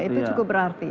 itu cukup berarti ya